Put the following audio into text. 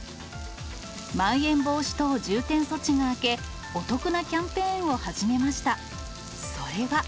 まん延防止等重点措置が明け、お得なキャンペーンを始めました。